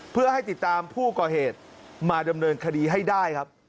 เพื่อให้ติดตามผู้ก่อเหตุมาดำเนินคดีให้ได้ครับ